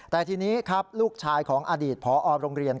แต่ทีนี้ครับลูกชายของอดีตพอโรงเรียน